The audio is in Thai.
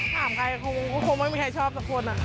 ถามใครคงไม่มีใครชอบสักคน